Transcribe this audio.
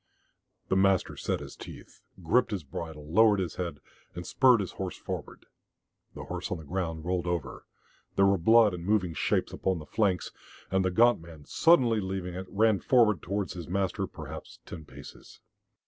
The master set his teeth, gripped his bridle, lowered his head, and spurred his horse forward. The horse on the ground rolled over, there were blood and moving shapes upon the flanks, and the gaunt man, suddenly leaving it, ran forward towards his master, perhaps ten paces.